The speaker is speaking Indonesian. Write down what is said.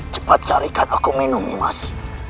cepat carikan aku minum emas